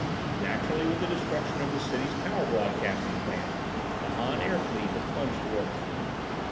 Naturally, with the destruction of the city's power broadcasting plant the Han air fleet had plunged to earth.